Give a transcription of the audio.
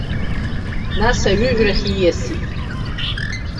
Нас аҩыжәрахь ииасит.